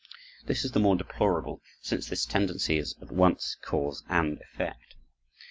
This is the more deplorable, since this tendency is at once cause and effect.